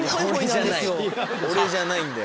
俺じゃないんだよ。